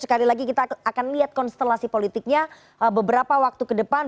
sekali lagi kita akan lihat konstelasi politiknya beberapa waktu ke depan